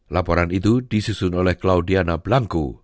laporan itu disusun oleh claudia